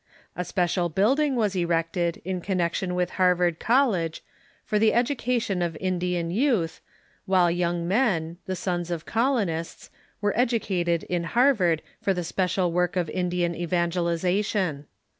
A special building was erected in connection with Harvard College for the education of Indian youth, while young men, the sons of colonists, were educated in Harvard for the special work of Indian evangelization.